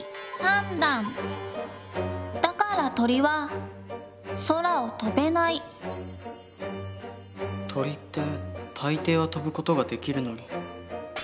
だから鳥は空を飛べない鳥って大抵は飛ぶ事ができるのに。